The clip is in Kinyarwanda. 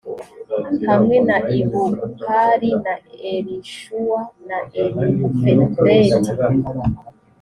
hamwe na ibuhari na elishuwa na elifeleti